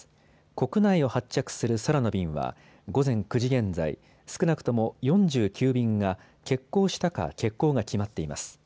国内を発着する空の便は午前９時現在、少なくとも４９便が欠航したか欠航が決まっています。